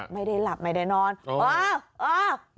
ไม่ได้หลับไม่ได้นอนโอ้โฮโอ้โฮ